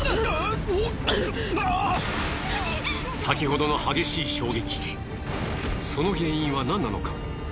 先ほどの激しい衝撃その原因は何なのか。